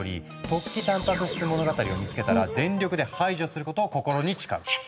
「突起たんぱく質物語」を見つけたら全力で排除することを心に誓う。